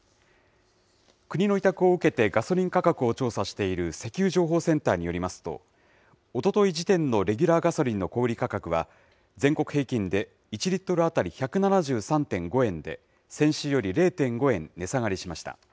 国の委託を受けてガソリン価格を調査している石油情報センターによりますと、おととい時点のレギュラーガソリンの小売り価格は、全国平均で１リットル当たり１７３．５円で、先週より０．５円、値下がりしました。